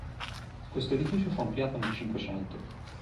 Questo edificio fu ampliato nel Cinquecento.